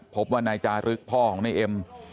พบว่านายจารึกพ่อของนายเอ็ม